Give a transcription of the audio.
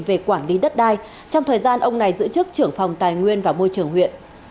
về quản lý đất đai trong thời gian ông này giữ chức trưởng phòng tài nguyên và môi trường huyện